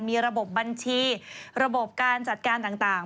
มีระบบบัญชีระบบการจัดการต่าง